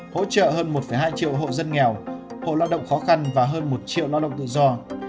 hỗ trợ hơn một hai triệu hộ dân nghèo hộ lao động khó khăn và hơn một triệu lao động tự do